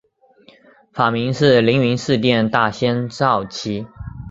法名是灵云寺殿大仙绍其。